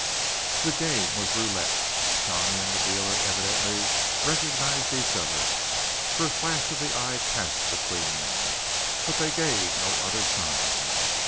The game was roulette. Johnny and the dealer evidently recognized each other, for a flash of the eye passed between them, but they gave no other sign.